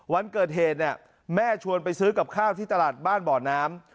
วันเกิดเหตุเนี่ยแม่ชวนไปซื้อกับข้าวที่ตลาดบ้านบ่อน้ำ